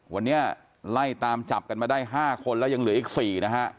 วันนี้ไล่ตามจับกันมาได้๕คนแล้วยังเหลืออีก๔นะฮะ